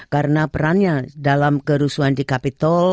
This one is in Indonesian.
karena perannya dalam kerusuhan di capitol